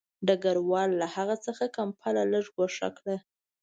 ډګروال له هغه څخه کمپله لږ ګوښه کړه